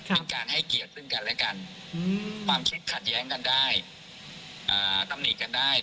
เป็นการให้เกียรติซึ่งกันและกันความคิดขัดแย้งกันได้ตำหนิกันได้